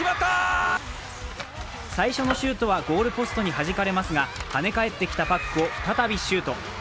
最初のシュートはゴールポストにはじかれますが跳ね返ってきたパックを再びシュート。